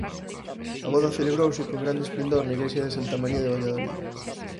A voda celebrouse con grande esplendor na igrexa de Santa María de Valladolid.